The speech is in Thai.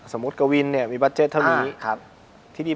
สมมุติกะวินเนี่ยมีบัจเจ็ตเท่านี้